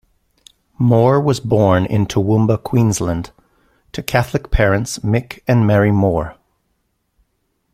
Moore was born in Toowoomba, Queensland, to Catholic parents Mick and Mary Moore.